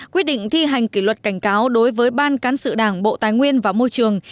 quyết định thi hành kỷ luật cảnh cáo đối với ban cán sự đảng bộ tài nguyên và môi trường